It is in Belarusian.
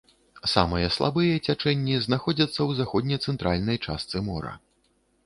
Самыя слабыя цячэнні знаходзяцца ў заходне-цэнтральнай частцы мора.